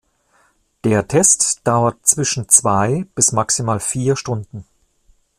Der Test dauert zwischen zwei bis maximal vier Stunden.